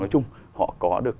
nói chung họ có được